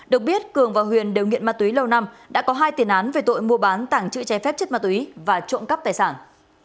được biết cường và huyền đều nghiện ma túy lâu năm đã có hai tiền án về tội mua bán tảng trự trái phép chất ma túy và trộm cắp tài sản